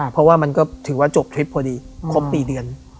เพราะว่ามันก็ถือว่าจบทริปพอดีครบปีเดือน